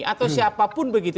atau siapapun begitu